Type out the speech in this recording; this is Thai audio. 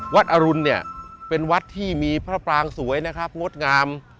อรุณเนี่ยเป็นวัดที่มีพระปรางสวยนะครับงดงาม